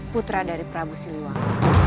putra dari prabu siluang